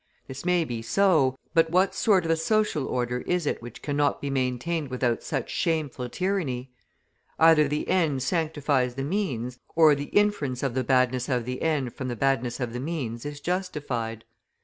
This may be so, but what sort of a social order is it which cannot be maintained without such shameful tyranny? Either the end sanctifies the means, or the inference of the badness of the end from the badness of the means is justified.